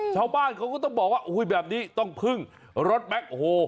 ชาวบ้านเขาก็ต้องบอกว่าแบบนี้ต้องพึ่งรถแบ็คโฮ